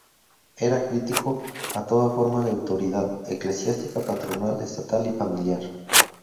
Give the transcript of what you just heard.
Era crítico a toda forma de autoridad: eclesiástica, patronal, estatal y familiar.